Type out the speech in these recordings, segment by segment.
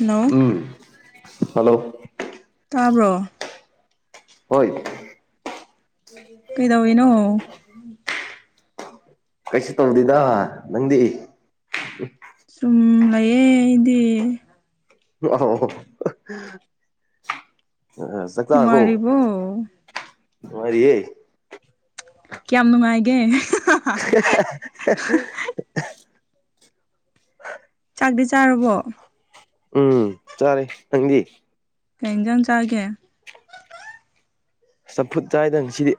hello ꯎꯝ hello ꯇꯥꯕ꯭ꯔꯣ ꯍꯣꯏ ꯀꯩꯗꯧ ꯏꯅꯣ ꯀꯩꯁꯨ ꯇꯧꯗꯦꯗ ꯅꯪꯗꯤ ꯎ ꯁꯨꯝ ꯂꯩꯌꯦ ꯀꯗꯤ ꯑ ꯑ ꯆꯇꯥꯔꯔꯕꯣ ꯅꯨꯡꯉꯥꯏꯔꯤꯕꯣ ꯑꯔꯤꯑꯦ ꯀꯌꯥꯝ ꯅꯨꯡꯉꯥꯏꯒꯦ [unintelligible] ꯆꯥꯛꯇꯤ ꯆꯥꯔꯕꯣ ꯎꯝ ꯆꯥꯔꯦ ꯅꯪꯗꯤ ꯀꯖꯪ ꯆꯒꯦ ꯆꯝꯐꯨꯠ ꯆꯥꯏꯗꯪ ꯁꯤꯗꯤ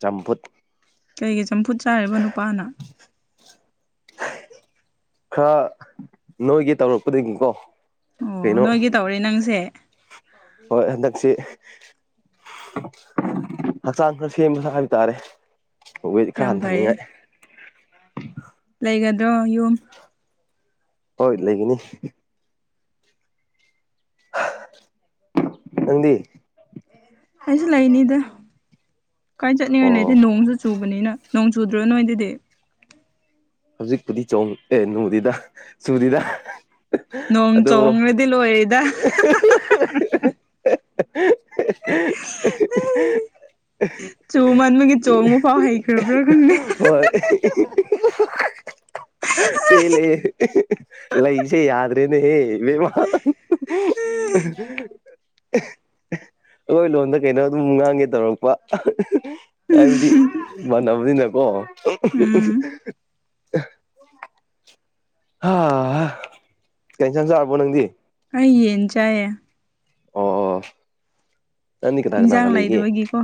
ꯆꯝꯐꯨꯠ ꯀꯩꯒꯤ ꯆꯝꯐꯨꯠ ꯆꯥꯔꯤꯕ ꯅꯨꯄꯥꯅ ꯈꯔ ꯅꯣꯏꯒꯤ ꯇꯧꯔꯛꯄꯗꯒꯤꯀꯣ ꯑꯣ ꯀꯩꯅꯣ ꯅꯣꯏꯒꯤ ꯇꯧꯔꯦ ꯅꯪꯁꯦ ꯍꯣꯏ ꯍꯟꯗꯛꯁꯤ ꯍꯛꯆꯥꯡ ꯈꯔ ꯁꯦꯝꯕꯁꯨ ꯍꯥꯏꯕ ꯇꯥꯔꯦ ꯋꯦ ꯈꯔ ꯌꯥꯝ ꯍꯟꯊꯅꯤꯡꯉꯥꯏ ꯐꯩꯌꯦ ꯂꯩꯒꯗ꯭ꯔꯣ ꯌꯨꯝ ꯇꯧ ꯏꯠ ꯂꯩꯒꯅꯤ ꯅꯪꯗꯤ ꯑꯩꯁꯨ ꯂꯩꯅꯤꯗ ꯀꯥꯏ ꯆꯠꯅꯤꯡꯉꯥꯏ ꯂꯩꯗꯤ ꯑꯣ ꯅꯣꯡꯁꯨ ꯆꯨꯕ ꯅꯤꯅ ꯅꯣꯡ ꯆꯨꯗ꯭ꯔꯣ ꯅꯣꯏꯗꯗꯤ ꯍꯧꯖꯤꯛꯄꯨꯗꯤ ꯆꯣꯡ ꯑꯦ ꯅꯅꯨꯡꯗꯤꯗ ꯁꯨꯔꯤꯗ ꯅꯣꯡ ꯑꯗꯣ ꯆꯣꯡꯔꯗꯤ ꯂꯣꯏꯔꯦꯗ ꯎ ꯆꯨ ꯃꯟꯕꯒꯤ ꯆꯣꯡꯕ ꯐꯥꯎ ꯍꯩꯈ꯭ꯔꯕ꯭ꯔꯥ ꯈꯪꯗꯦ ꯍꯣꯏ ꯄ ꯂꯩ ꯂꯩꯁꯦ ꯌꯥꯗ꯭ꯔꯦꯅꯦꯍꯦ ꯃ ꯎ ꯑꯩꯈꯣꯏ ꯂꯣꯟꯗ ꯀꯩꯅꯣ ꯑꯗꯨꯝ ꯉꯥꯡꯒꯦ ꯇꯧꯔꯛꯄ ꯍꯥꯏꯕꯗꯤ ꯃꯥꯟꯅꯕꯅꯤꯅꯀꯣ ꯎꯝ ꯍꯥ ꯀꯦꯟꯁꯟꯁꯨ ꯍꯥꯏꯔꯕꯣ ꯅꯪꯗꯤ ꯑꯩ ꯌꯦꯟ ꯆꯥꯏꯌꯦꯦ ꯑꯣ ꯑꯣ ꯅꯪꯅꯤ ꯀꯅꯥ ꯏꯟꯖꯥꯡ ꯀꯅꯥꯒ ꯂꯩꯒꯦ ꯂꯩꯗꯕꯒꯤꯀꯣ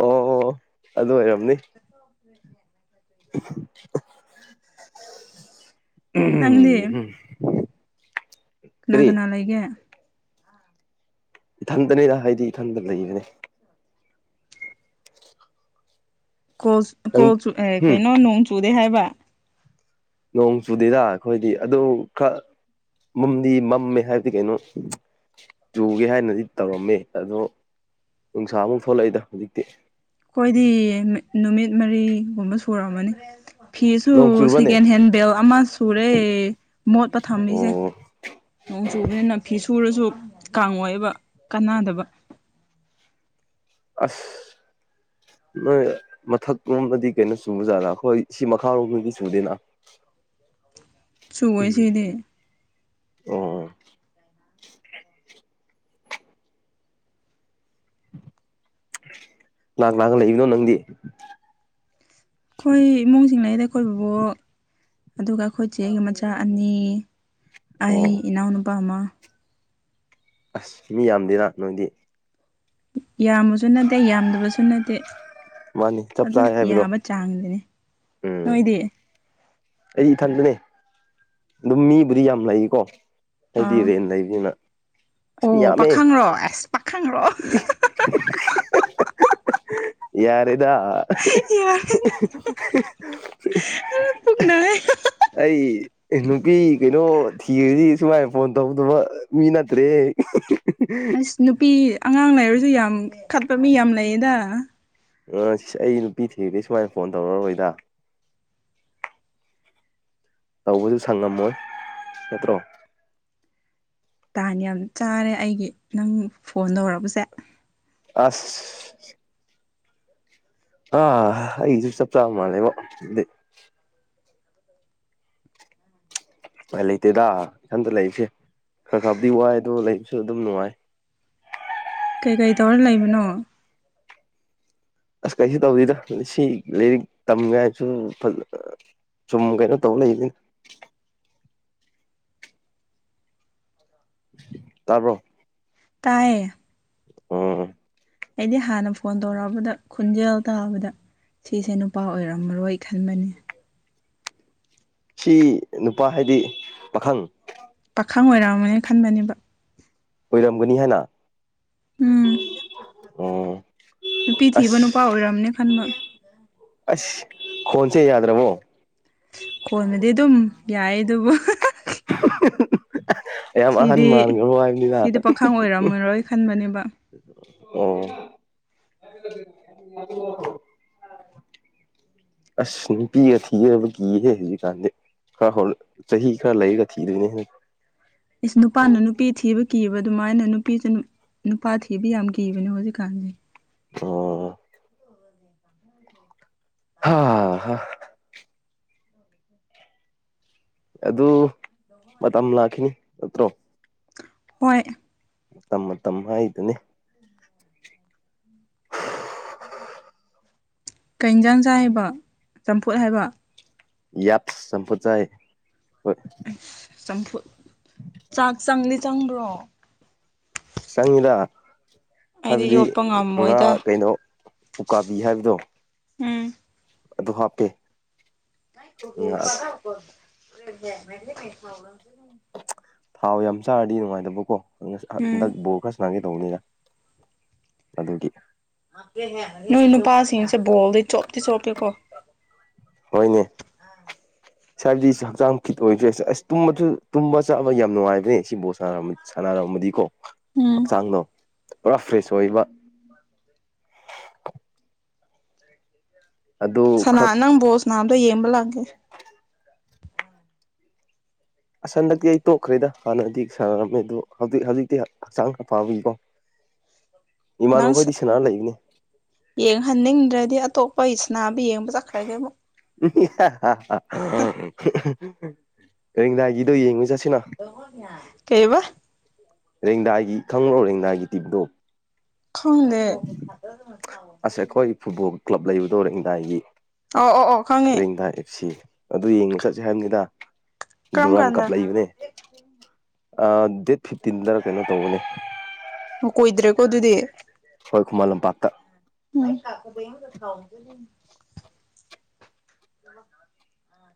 ꯑꯣ ꯑꯣ ꯑꯗꯨ ꯑꯣꯏꯔꯝꯅꯤ [unintelligible] ꯅꯪꯗꯤ ꯀꯅꯥ ꯀꯔꯤ ꯀꯅꯥ ꯂꯩꯒꯦ ꯏꯊꯟꯇꯅꯤꯅ ꯍꯥꯏꯗꯤ ꯏꯊꯟꯗ ꯂꯩꯕꯅꯤ ꯀꯜ ꯅꯪ ꯀꯣꯜ ꯆ ꯍꯨꯝ ꯀꯩꯅꯣ ꯅꯣꯡ ꯆꯨꯗꯦ ꯍꯥꯏꯕ ꯅꯣꯡ ꯆꯨꯗꯦꯗ ꯑꯩꯈꯣꯏꯗꯤ ꯑꯗꯨ ꯈ ꯃꯝꯗꯤ ꯃꯝꯃꯦ ꯍꯥꯏꯕꯗꯤ ꯀꯩꯅꯣ ꯆꯨꯒꯦ ꯍꯥꯏꯅꯗꯤ ꯇꯧꯔꯝꯃꯤ ꯑꯗꯣ ꯅꯨꯡꯁꯥꯃꯨꯛ ꯊꯣꯛꯂꯛꯏꯗ ꯍꯧꯖꯤꯛꯇꯤ ꯑꯩꯈꯣꯏꯗꯤ ꯅꯨꯃꯤꯠ ꯃꯔꯤꯒꯨꯝꯕ ꯁꯨꯔꯛꯑꯃꯅꯤ ꯐꯤꯁꯨ ꯅꯣꯡ ꯆꯨꯕ꯭ꯔꯅꯦ ꯁꯦꯀꯦꯟ ꯍꯦꯟ ꯕꯦꯜ ꯑꯃ ꯁꯨꯔꯦ ꯃꯣꯠꯄ ꯊꯝꯃꯤꯁꯦ ꯑꯣ ꯅꯣꯡ ꯆꯨꯕꯅꯤꯅ ꯐꯤ ꯁꯨꯔꯁꯨ ꯀꯥꯡꯉꯣꯏꯦꯕ ꯀꯥꯟꯅꯗꯕ ꯑꯁ ꯅꯣꯏ ꯃꯊꯛꯂꯣꯝꯗꯗꯤ ꯀꯩꯅꯣ ꯆꯨꯕ ꯖꯥꯠꯗ ꯑꯩꯈꯣꯏ ꯁꯤ ꯃꯈꯥꯔꯣꯝꯗꯤ ꯆꯨꯗꯦꯅ ꯁꯨꯑꯣꯣꯏ ꯎꯝ ꯁꯤꯗꯤ ꯑꯣ ꯂꯥꯛ ꯂꯥꯛꯒ ꯂꯩꯕꯅꯣ ꯅꯪꯗꯤ ꯑꯩꯈꯣꯏ ꯏꯃꯨꯡꯁꯤꯡꯅꯗ ꯑꯩꯈꯣꯏꯕꯕꯨ ꯑꯗꯨꯒ ꯑꯩꯈꯣꯏ ꯆꯦ ꯑꯩꯒꯤ ꯃꯆꯥ ꯑꯅꯤ ꯑꯩ ꯑꯣ ꯏꯅꯥꯎꯅꯨꯄꯥ ꯑꯃ ꯑꯁ ꯃꯤ ꯌꯥꯝꯗꯅ ꯅꯣꯏꯗꯤ ꯌꯥꯝꯕꯁꯨ ꯅꯠꯇꯦ ꯌꯥꯝꯗꯕꯁꯨ ꯅꯠꯇꯦ ꯃꯥꯅꯤ ꯆꯞ ꯑꯗꯨꯝ ꯆꯥꯏ ꯍꯥꯏꯕꯗꯣ ꯌꯥꯕ ꯆꯥꯡꯗꯅꯤ ꯅꯣꯏ ꯏꯗꯦ ꯑꯩ ꯏꯊꯟꯗꯅꯦ ꯑꯗꯨꯝ ꯃꯤꯕꯨꯗꯤ ꯌꯥꯝ ꯂꯩꯀꯣ ꯍꯥꯏꯗꯤ ꯑꯥ ꯔꯦꯟ ꯂꯩꯕꯤꯅ ꯑꯣ ꯄꯥꯈꯪ꯭ꯔꯣ ꯑꯁ ꯄꯥꯈꯪꯔꯣ ꯌꯥꯔꯗ [unintelligible] ꯌꯥꯔꯦ ꯊꯅ ꯑꯩ ꯑꯦ ꯅꯨꯄꯤ ꯀꯩꯅꯣ ꯊꯤꯔꯗꯤ ꯁꯨꯃꯥꯏꯅ ꯐꯣꯟ ꯇꯧꯗꯕ ꯃꯤ ꯅꯠꯇ꯭ꯔꯦ ꯏꯁ ꯅꯨꯄꯤ ꯑꯉꯥꯡ ꯂꯩꯔꯁꯨ ꯌꯥꯝ ꯈꯠꯄ ꯃꯤ ꯌꯥꯝ ꯂꯩꯌꯦꯗ ꯑ ꯑꯩ ꯅꯨꯄꯤ ꯊꯤꯗꯩ ꯁꯨꯃꯥꯏꯅ ꯐꯣꯟ ꯇꯧꯔꯛꯑꯔꯣꯏꯗ ꯇꯧꯕꯗꯨ ꯁꯪꯉꯝꯃꯣꯏ ꯅꯠꯇ꯭ꯔꯣ ꯇꯥꯟꯅꯤ ꯌꯥꯝ ꯆꯥꯔꯦ ꯑꯩꯒꯤ ꯅꯪ ꯐꯣꯟ ꯇꯧꯔꯕꯁꯦ ꯑꯁ ꯑ ꯑꯩꯁꯨ ꯁ ꯄꯔꯝ ꯃꯥꯦꯕꯦ ꯎꯅꯨꯡꯥꯏ ꯂꯩꯇꯦꯗ ꯏꯁꯊꯟꯇ ꯂꯩꯔꯤꯁꯦ ꯈꯔ ꯈꯔꯕꯗꯤ ꯋꯥꯏ ꯑꯗꯣ ꯂꯩꯕꯁꯨ ꯑꯗꯨꯝ ꯅꯨꯡꯉꯥꯏ ꯀꯩꯀꯩ ꯇꯧꯔ ꯂꯩꯕꯅꯣ ꯑꯁ ꯀꯩꯁꯨ ꯇꯧꯔꯤꯗ ꯁꯤ ꯂꯥꯏꯔꯤꯛ ꯇꯝꯉꯥꯏꯁꯨ ꯐꯖ ꯁꯨꯝ ꯀꯩꯅꯣ ꯇꯧ ꯂꯩꯁꯤꯅꯦ ꯇꯥꯕ꯭ꯔꯣ ꯇꯥꯏꯌꯦ ꯑꯣ ꯑꯩꯗꯤ ꯍꯥꯟꯅ ꯐꯣꯟ ꯇꯧꯔꯛꯑꯕꯗ ꯈꯣꯟꯖꯦꯜ ꯇꯥꯕꯗ ꯁꯤꯁꯦ ꯅꯨꯄꯥ ꯑꯣꯏꯔꯝꯃꯔꯣꯏ ꯈꯟꯕꯅꯤ ꯁꯤ ꯅꯨꯄꯥ ꯍꯥꯏꯗꯤ ꯄꯥꯈꯪ ꯄꯥꯈꯪ ꯑꯣꯏꯔꯝꯑꯝꯕꯅꯦ ꯈꯟꯕꯅꯦꯕ ꯑꯣꯏꯔꯝꯒꯅꯤ ꯍꯥꯏꯅ ꯎꯝ ꯑꯣ ꯅꯨꯄꯤ ꯊꯤꯕ ꯅꯨꯄꯥ ꯑꯁ ꯑꯣꯏꯔꯝꯅꯦ ꯈꯟꯕ ꯑꯁ ꯈꯣꯟꯁꯦ ꯌꯥꯗ꯭ꯔꯕꯣ ꯈꯣꯟꯕꯗꯤ ꯑꯗꯨꯝ ꯌꯥꯏ ꯑꯗꯨꯕꯨ [unintelligible] ꯌꯥꯝ ꯑꯍꯟ ꯁꯤꯗꯤ ꯃꯥꯒ ꯍꯥꯏꯕꯅꯤꯗ ꯁꯤꯗꯤ ꯄꯥꯈꯪ ꯑꯣꯏꯔꯝꯃꯔꯣꯏ ꯈꯟꯕꯅꯦꯕ ꯑꯣ ꯑꯁ ꯅꯨꯄꯤꯒ ꯊꯤꯕ ꯀꯤꯍꯦ ꯍꯧꯖꯤꯛꯀꯥꯟꯗꯤ ꯈꯔ ꯍ ꯆꯍꯤ ꯈꯔ ꯂꯩꯔꯒ ꯊꯤꯗꯣꯏꯅꯦ ꯏꯁ ꯅꯨꯄꯥꯅ ꯅꯨꯄꯤ ꯊꯤꯕ ꯀꯤꯕ ꯑꯗꯨꯃꯥꯏꯅ ꯅꯨꯄꯤꯁꯨ ꯅꯨꯄꯥ ꯊꯤꯕ ꯌꯥꯝ ꯀꯤꯕꯅꯦ ꯍꯧꯖꯤꯛꯀꯥꯟꯁꯦ ꯑ ꯎꯝ ꯍ ꯑꯗꯨ ꯃꯇꯝ ꯂꯥꯛꯈꯤꯅꯤ ꯅꯠꯇ꯭ꯔꯣ ꯍꯣꯏ ꯇ ꯃꯇꯝ ꯍꯥꯏꯗꯨꯅꯤ ꯀꯩꯟꯖꯥꯡꯖꯥꯏ ꯍꯥꯏꯕ ꯆꯝꯐꯨꯠ ꯍꯥꯏꯕ ꯌꯥꯠ ꯁꯄ ꯆꯏ ꯍꯣꯏ ꯆꯝꯐꯨ ꯆꯥꯛ ꯆꯪꯂꯤ ꯆꯪꯕ꯭ꯔꯣ ꯆꯪꯉꯤꯗ ꯑꯩꯗꯤ ꯍꯥꯏꯕꯗꯤ ꯌꯣꯠꯄ ꯉꯥ ꯉꯝꯃꯣꯏꯗ ꯀꯩꯅꯣ ꯎꯀꯥꯕꯤ ꯍꯥꯏꯕꯗꯣ ꯎꯝ ꯑꯗꯨ ꯍꯥꯞꯄꯦ [unintelligible] ꯊꯥꯎ ꯌꯥꯝ ꯆꯥꯔꯗꯤ ꯅꯨꯡꯉꯥꯏꯇꯕꯀꯣ ꯎꯝ ꯍꯟꯗꯛ ꯕꯣꯔ ꯈꯔ ꯅꯒꯤ ꯇꯧꯕꯅꯤꯅ ꯑꯗꯨꯒꯤ ꯅꯣꯏ ꯅꯨꯄꯥꯁꯤꯡꯁꯦ ꯕꯣꯜꯗꯩ ꯆꯣꯞꯇꯤ ꯆꯣꯞꯀꯦꯀꯣ ꯍꯣꯏꯅꯦ ꯁ ꯍꯥꯏꯕꯗꯤꯁꯨ ꯍꯛꯆꯥꯡ ꯈꯤꯠ ꯑꯣꯏꯗ꯭ꯔꯦ ꯑꯁ ꯇꯨꯝꯕ ꯆꯠꯕ ꯌꯥꯝ ꯅꯨꯡꯉꯥꯏꯗ꯭ꯔꯦ ꯁꯤ ꯕꯣꯠꯔ ꯁꯥꯟꯅꯔꯝꯃꯗꯤꯀꯣ ꯎꯝ ꯍꯛꯆꯥꯡꯗꯣ ꯄꯨꯔꯥ ꯐ꯭ꯔꯦꯁ ꯑꯣꯏꯕ ꯑꯗꯨ ꯁꯅꯥ ꯈꯔ ꯅꯪ ꯕꯣꯁ ꯅꯥꯝꯗꯣ ꯌꯦꯡꯕ ꯂꯥꯛꯒꯦ ꯎꯝ ꯑꯁꯟꯗꯛꯇꯤ ꯑꯩ ꯇꯣꯛꯈ꯭ꯔꯦꯗ ꯍꯥꯟꯅꯗꯤ ꯁꯥꯟꯅꯔꯝꯃꯦ ꯑꯗꯨꯣ ꯍꯧꯖꯤꯛ ꯍꯧꯖꯤꯛꯇꯤ ꯍꯛꯆꯥꯡꯅ ꯄꯝꯕꯤꯀꯣ ꯏꯃꯥꯟ ꯅꯪ ꯃꯈꯣꯏꯗꯤ ꯁꯅꯥꯅ ꯂꯩꯕꯅꯦ ꯌꯦꯡꯍꯟꯅꯤꯡꯗ꯭ꯔꯗꯤ ꯑꯇꯣꯞꯄ ꯏꯆꯅꯥꯕꯨ ꯌꯦꯡꯕ ꯆꯠꯈ꯭ꯔꯒꯦ ꯑꯃꯨꯛ ꯀꯔꯤꯝꯗꯥꯏꯒꯤꯗꯣ ꯌꯦꯡꯉꯨ ꯆꯠꯁꯤꯅꯣ ꯀꯩꯕ ꯔꯦꯡꯗꯥꯏꯒꯤ ꯈꯪꯪꯂꯣ ꯔꯦꯡꯗꯥꯏꯒꯤ ꯇꯤꯞꯗꯣꯞ ꯈꯪꯗꯦ ꯑꯁ ꯑꯩꯈꯣꯏ ꯐꯨꯠꯕꯣꯜ ꯀ꯭ꯂꯕ ꯂꯩꯕꯗꯧꯔꯦ ꯏꯟꯗꯥꯏꯒꯤ ꯑꯣ ꯑꯣ ꯑꯣ ꯈꯪꯉꯦ ꯗꯗꯥ ꯑꯦꯞꯁꯤ ꯑꯗꯨ ꯌꯦꯡꯉ ꯆꯠꯁ ꯍꯥꯏꯕꯅꯤꯗ ꯀꯔꯝ ꯗꯨꯔꯥꯟ ꯀꯞ ꯀꯥꯟꯗ ꯂꯩꯕꯅꯦ ꯗꯠ ꯀꯣꯏꯗ꯭ꯔꯦꯀꯣ ꯑꯗꯨꯗꯤ ꯑꯩꯈꯣꯏ ꯈꯨꯃꯟ ꯂꯝꯄꯥꯛꯠꯇ ꯑꯩ ꯊꯀꯗ ꯈꯥꯎꯒ ꯑꯥ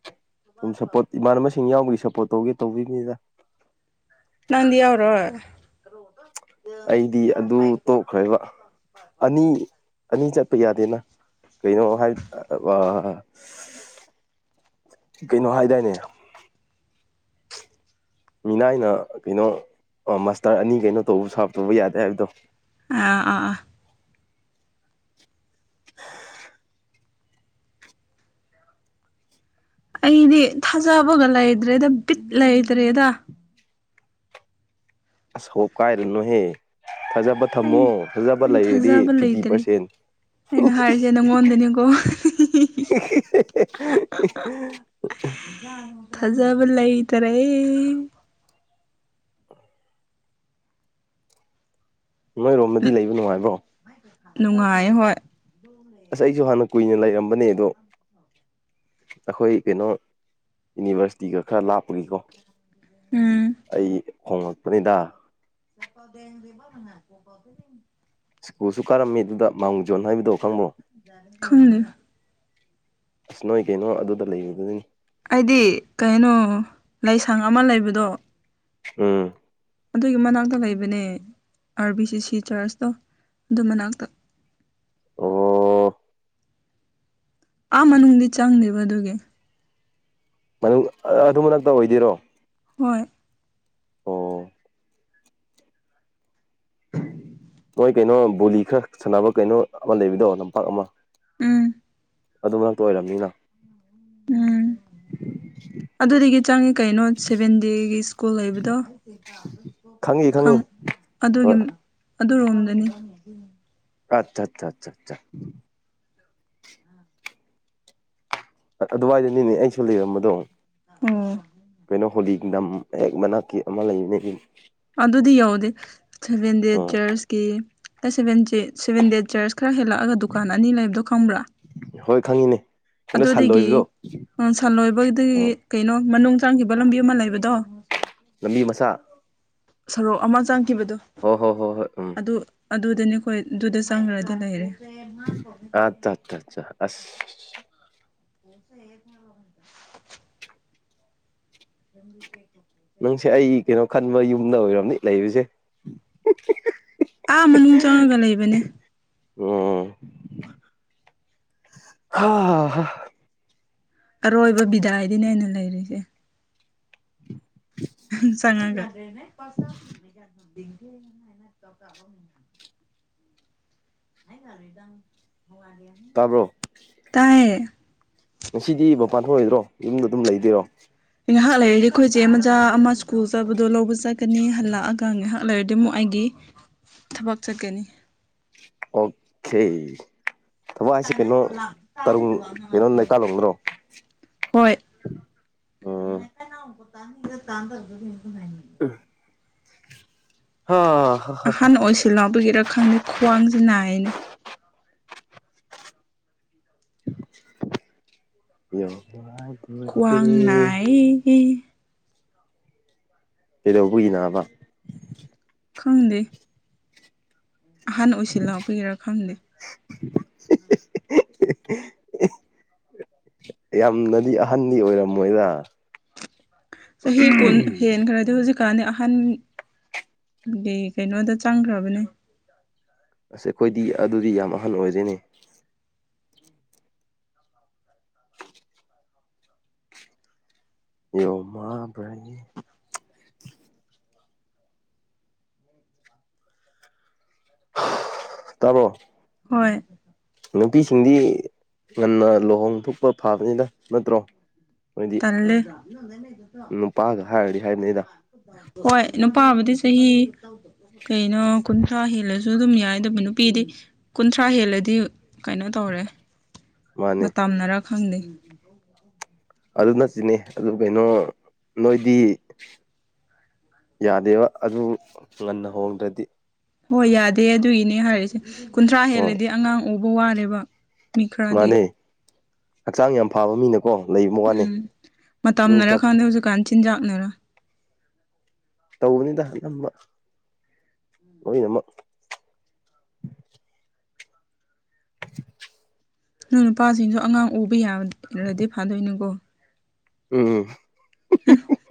ꯁꯨꯝ ꯁꯞꯄꯣꯔꯠ ꯏꯃꯥꯟꯅꯕꯁꯤꯡ ꯌꯥꯎꯕꯒꯤ ꯁꯞꯄꯣꯔꯠ ꯇꯧꯒꯦ ꯇꯧꯕꯤꯅꯤꯗ ꯅꯪꯗꯤ ꯌꯥꯎꯔꯣꯏ ꯑꯩꯗꯤ ꯑꯗꯨ ꯇꯣꯛꯈ꯭ꯔꯦꯕ ꯑꯅꯤ ꯑꯅꯤ ꯆꯠꯄ ꯌꯥꯗꯦꯅ ꯀꯩꯅꯣ ꯍꯥꯏ ꯀꯩꯅꯣ ꯍꯥꯏꯗꯥꯏꯅꯦ ꯃꯤꯅꯥꯏꯅ ꯀꯩꯅꯣ ꯃꯁꯇꯔ ꯑꯅꯤ ꯀꯩꯅꯣ ꯇꯧꯕ ꯁꯥꯞꯇꯧꯕ ꯌꯥꯗꯦ ꯍꯥꯏꯕꯗꯣ ꯑꯥ ꯑꯥ ꯑꯥ [inaudible] ꯑꯩꯗꯤ ꯊꯥꯖꯕꯒ ꯂꯩꯇ꯭ꯔꯦꯗ ꯕꯤꯠ ꯂꯩꯇ꯭ꯔꯦꯗ ꯑꯁ ꯍ ꯀꯥꯏꯔꯅꯣꯍꯦ ꯐꯖ ꯑꯩ ꯊꯝꯃꯣ ꯐꯖꯕ ꯑꯩ ꯂꯩꯔꯗꯤ ꯊꯥꯖꯕ ꯐꯤꯐꯇꯤ ꯂꯩꯇ꯭ꯔꯦ ꯄꯥꯔꯁꯦꯟ ꯑꯩꯅ ꯍꯥꯏꯔꯤꯁꯦ ꯅꯪꯉꯣꯟꯗꯅꯤꯀꯣ [unintelligible] ꯊꯖꯥꯕ ꯂꯩꯥ ꯇꯔꯦ [unintelligible] ꯅꯣꯏꯔꯣꯝꯗꯗꯤ ꯂꯩꯕ ꯅꯨꯡꯉꯥꯏꯕ꯭ꯔꯣ ꯅꯨꯡꯉꯥꯏ ꯍꯣꯏ ꯑꯁ ꯑꯩꯁꯨ ꯍꯥꯟꯅ ꯀꯨꯏꯅ ꯂꯩꯔꯝꯕꯅꯦ ꯑꯗꯣ ꯑꯩꯈꯣꯏ ꯀꯩꯅꯣ ꯌꯨꯅꯤꯚꯔꯁꯤꯇꯤꯒ ꯈꯔ ꯂꯥꯞꯄꯒꯤꯀꯣ ꯎꯝ ꯑꯩ ꯍꯣꯡꯂꯛꯄꯅꯤꯗ ꯆ ꯀꯗꯗꯕ ꯅꯅꯥ ꯀꯣ ꯀꯧꯗ ꯁ꯭ꯀꯨꯜꯁꯨ ꯀꯥꯔꯝꯃꯤ ꯑꯗꯨꯗ ꯃꯥꯎꯡ ꯖꯣꯟ ꯍꯥꯏꯕꯗꯣ ꯈꯪꯕ꯭ꯔꯣ ꯈꯪꯗꯦ ꯑꯁ ꯅꯣꯏ ꯀꯩꯅꯣ ꯑꯗꯨꯗ ꯂꯩꯕꯗꯨꯅꯤ ꯑꯩꯗꯤ ꯀꯩꯅꯣ ꯂꯁꯪ ꯑꯃ ꯂꯩꯕꯗꯣ ꯎꯝ ꯑꯗꯨꯒꯤ ꯃꯅꯥꯛꯇ ꯂꯩꯕꯅꯦ ꯑꯥꯔ ꯕꯤ ꯁꯤ ꯁꯤ ꯆꯔꯁꯇꯣ ꯑꯗꯨ ꯃꯅꯥꯛꯇ ꯑꯣ ꯑꯥ ꯃꯅꯨꯡꯗꯤ ꯆꯪꯗꯦꯕ ꯑꯗꯨꯒꯤ ꯃꯅꯨꯡ ꯑꯗꯨ ꯃ ꯅꯛꯇ ꯑꯣꯏꯗꯣꯏꯔꯣ ꯍꯣꯏ ꯑꯣ ꯃꯣꯏ ꯀꯩꯅꯣ ꯕꯣꯂꯤ ꯈꯔ ꯁꯥꯟꯅꯕ ꯀꯩꯅꯣ ꯑꯃ ꯂꯩꯕꯗꯣ ꯂꯝꯄꯥꯛ ꯑꯃ ꯎꯝ ꯑꯗꯨ ꯃꯔꯛꯇ ꯑꯣꯏꯔꯕꯅꯤꯅ ꯎꯝ ꯑꯗꯨꯗꯒꯤ ꯆꯪꯉꯤ ꯀꯩꯅꯣ ꯁꯚꯦꯟ ꯗꯦꯒꯤ ꯁ꯭ꯀꯨꯜ ꯂꯩꯕꯗꯣ ꯈꯪꯉꯤ ꯈꯪꯉꯤ ꯑꯗꯨꯒꯤ ꯍꯣꯏ ꯑꯗꯨꯔꯣꯝꯗꯅꯤ ꯑꯠꯆꯥ ꯑꯆꯥ ꯑꯆꯥꯆꯥ ꯑꯗꯨꯋꯥꯏꯗꯅꯤꯅꯦ ꯑꯩꯁꯨ ꯂꯩꯔꯝꯕꯗꯣ ꯎꯝ ꯀꯩꯅꯣ ꯍꯣꯂꯤꯒꯤꯝ ꯑꯦ ꯃꯅꯥ ꯀ ꯑꯃ ꯂꯩꯅꯦ ꯑꯗꯨꯗꯤ ꯌꯧꯗꯦ ꯁꯦꯚꯦꯟ ꯗꯦꯠ ꯎꯝ ꯆꯔꯁꯀꯤ ꯑꯩ ꯁꯕꯦꯟꯦ ꯁꯦꯚꯦꯟ ꯗꯦꯠ ꯆꯔꯁ ꯈꯔ ꯍꯦꯜꯂꯛꯑꯒ ꯗꯨꯀꯥꯟ ꯑꯅꯤ ꯂꯩꯕꯗꯣ ꯈꯪꯕ꯭ꯔꯥ ꯍꯣꯏ ꯈꯪꯉꯤꯅꯦ ꯀꯩꯅꯣ ꯁꯟ ꯑꯗꯨꯗꯒꯤ ꯂꯣꯏꯕꯗꯣ ꯁꯟ ꯂꯣꯏꯕꯗꯒꯤ ꯎꯝ ꯀꯩꯅꯣ ꯃꯅꯨꯡ ꯆꯪꯈꯤꯕ ꯂꯝꯕꯤ ꯑꯃ ꯂꯩꯕꯗꯣ ꯂꯝꯕꯤ ꯃꯆꯥ ꯁꯣꯔꯣꯛ ꯑꯃ ꯆꯪꯈꯤꯕꯗꯣ ꯍꯣ ꯍꯣ ꯍꯣ ꯍꯣꯏ ꯎꯝ ꯑꯗꯨ ꯑꯗꯨꯗꯅꯦ ꯈꯣꯏ ꯑꯗꯨꯗ ꯆꯪꯈ꯭ꯔꯗꯤ ꯂꯩꯔꯦ ꯑꯠꯆꯥ ꯑꯠꯆꯥ ꯑꯠꯆꯥ ꯑꯁ ꯄꯣꯁ ꯍꯗ [inaudible] ꯌꯥꯝ ꯀꯦ [inaudible] ꯅꯪꯁꯦ ꯑꯩ ꯀꯩꯅꯣ ꯈꯟꯕ ꯌꯨꯝꯗ ꯑꯣꯏꯔꯝꯅꯤ ꯂꯩꯕꯁꯦ ꯑꯥ ꯃꯅꯨꯡ ꯆꯪꯉꯒ ꯂꯩꯕꯅꯦ ꯎꯝ ꯍ [inaudible] ꯑꯔꯣꯏꯕ ꯕꯤꯗꯥꯏꯗꯤꯅꯦ ꯑꯩꯅ ꯂꯩꯔꯤꯁꯦ ꯁꯒ [inaudible] ꯍꯥꯏ ꯈꯔ ꯍꯒꯦ [inaudible] ꯇꯥꯕ꯭ꯔꯣ ꯇꯥꯏꯌꯦ ꯉꯁꯤꯗꯤ ꯃꯄꯥꯟ ꯊꯣꯛ ꯑꯣꯏꯗ꯭ꯔꯣ ꯌꯨꯝꯗ ꯑꯗꯨꯝ ꯂꯩꯗꯣꯏꯔꯣ ꯉꯥꯏꯍꯥꯛ ꯂꯩꯔꯗꯤ ꯑꯩꯈꯣꯏꯁꯦ ꯃꯆꯥ ꯑꯃ ꯁ꯭ꯀꯨꯜ ꯆꯠꯕꯗꯣ ꯂꯧꯕ ꯆꯠꯀꯅꯤ ꯍꯜꯂꯛꯑꯒ ꯉꯥꯏꯍꯥꯛ ꯂꯩꯔꯗꯤ ꯑꯃꯨꯛ ꯑꯩꯒꯤ ꯊꯕꯛ ꯆꯠꯀꯅꯤ ꯑꯣꯀꯦ ꯊꯕꯛ ꯍꯥꯏꯁꯤ ꯀꯩꯅꯣ ꯇꯔꯨ ꯀꯩꯅꯣ ꯅꯩꯀꯥꯜꯂꯣꯗ꯭ꯔꯣ ꯃ ꯀꯩꯅ ꯇꯅꯤꯗ ꯇꯗꯗ [inaudible] ꯑ [inaudible] ꯍ [inaudible] ꯄꯦꯔꯥꯠ ꯂꯥꯛꯄꯒꯤꯔ ꯈꯪꯗꯦ ꯈ꯭ꯋꯥꯡꯁꯤ ꯅꯥꯢꯅꯦ ꯌꯒꯤꯗꯤ [inaudible] ꯍꯤ ꯍꯤ ꯀꯩꯗꯧꯕꯒꯤ ꯅꯕ ꯈꯪꯗꯦ ꯑꯍꯟ ꯑꯣꯏꯁꯤꯜ ꯂꯥꯛꯄꯤꯒꯔꯥ ꯈꯪꯗꯦ [inaudible] ꯌꯥꯝꯅꯗꯤ ꯑꯍꯟꯗꯤ ꯑꯣꯏꯔꯝꯃꯣꯏꯗ ꯆꯍꯤ ꯀꯨꯟ ꯍꯦꯟꯈꯔꯦ ꯑꯗꯨ ꯍꯧꯖꯤꯛꯀꯥꯟꯅꯤ ꯑꯍꯟꯒꯤ ꯀꯩꯅꯣꯗ ꯆꯪꯈ꯭ꯔꯕꯅꯦ ꯑꯁ ꯑꯩꯈꯣꯏꯗꯤ ꯑꯗꯨꯗꯤ ꯌꯥꯝ ꯑꯍꯟ ꯑꯣꯏꯗꯣꯏꯅꯦ ꯌꯣꯡꯃ ꯕ꯭ꯔꯩ ꯇꯥꯕꯣ ꯍꯣꯏ ꯅꯨꯄꯤꯁꯤꯡꯗꯤ ꯉꯟꯅ ꯂꯨꯍꯣꯡ ꯊꯣꯛꯄ ꯐꯥꯕꯅꯤꯗ ꯅꯠꯇ꯭ꯔꯣ ꯃꯣꯏꯗꯤ ꯇꯜꯂꯦ ꯅꯨꯄꯥꯒ ꯍꯥꯏꯔꯗꯤ ꯍꯥꯏꯕꯅꯤꯗ ꯍꯣꯏ ꯅꯨꯄꯥꯕꯨꯗꯤ ꯆꯍꯤ ꯀꯩꯅꯣ ꯀꯨꯟꯊ꯭ꯔꯥ ꯍꯦꯜꯂꯁꯨ ꯑꯗꯨꯝ ꯌꯥꯏꯗꯕ ꯅꯨꯄꯤꯗꯤ ꯀꯨꯟꯊ꯭ꯔꯥ ꯍꯦꯜꯂꯗꯤ ꯀꯩꯅꯣ ꯇꯧꯔꯦ ꯃꯥꯅꯦ ꯃꯇꯝꯅꯔ ꯈꯪꯗꯦ ꯑꯗꯨ ꯅꯁꯤꯅꯦ ꯑꯗꯨ ꯀꯩꯅꯣ ꯅꯣꯏꯗꯤ ꯌꯥꯗꯦꯕ ꯑꯗꯨ ꯉꯟꯅ ꯍꯣꯡꯗ꯭ꯔꯗꯤ ꯍꯣꯏ ꯌꯥꯗꯦ ꯑꯗꯨꯒꯤꯅꯦ ꯍꯥꯏꯔꯤꯁꯦ ꯀꯨꯟꯊ꯭ꯔꯥ ꯍꯣꯏ ꯍꯦꯜꯂꯗꯤ ꯑꯉꯥꯡ ꯎꯕ ꯋꯥꯔꯦꯕ ꯃꯤ ꯈꯔꯗꯤ ꯃꯥꯅꯦ ꯍꯛꯆꯥꯡ ꯌꯥꯝ ꯐꯥꯕ ꯃꯤꯅꯀꯣ ꯂꯩ ꯎꯝ ꯃꯇꯝꯅꯔ ꯈꯪꯗꯦ ꯍꯧꯖꯤꯛꯀꯥꯟ ꯆꯤꯟꯖꯥꯛꯅꯔ ꯇꯧꯕꯅꯤꯗ ꯑꯅꯝꯕ ꯂꯣꯏꯅꯃꯛ [unintelligible] ꯅꯣꯏ ꯅꯨꯄꯥꯁꯤꯡꯁꯨ ꯑꯉꯥꯡ ꯎꯕ ꯌꯥꯕꯔꯗꯤ ꯐꯥꯗꯣꯏꯅꯀꯣ ꯎꯝ ꯎ